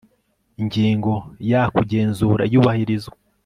Ingingo ya Kugenzura iyubahirizwa